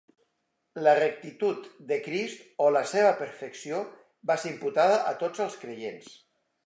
La rectitud de Crist, o la seva perfecció, va ser imputada a tots els creients.